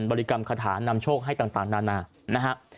ริกรรมคาถามำโชคให้ต่างนานานะฮะ